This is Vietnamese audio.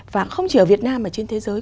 và không chỉ ở việt nam mà trên thế giới